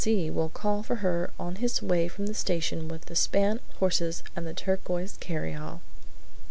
C., will call for her on his way from the station with a span of horses and the turquoise carryall!"